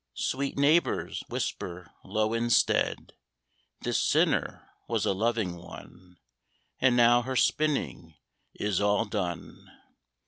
Sweet neighbours, whisper low instead, "This sinner was a loving one, And now her spinning is all done."